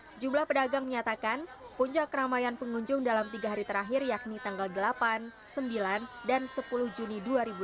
sejumlah pedagang menyatakan puncak keramaian pengunjung dalam tiga hari terakhir yakni tanggal delapan sembilan dan sepuluh juni dua ribu delapan belas